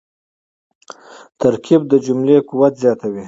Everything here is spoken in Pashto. ترکیب د جملې قوت زیاتوي.